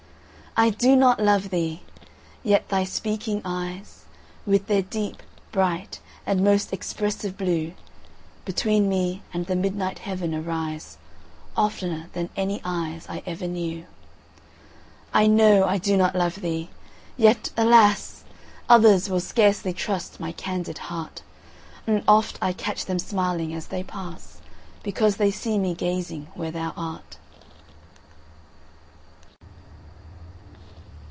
I do not love thee!—yet thy speaking eyes, With their deep, bright, and most expressive blue, Between me and the midnight heaven arise, 15 Oftener than any eyes I ever knew. I know I do not love thee! yet, alas! Others will scarcely trust my candid heart; And oft I catch them smiling as they pass, Because they see me gazing where thou art.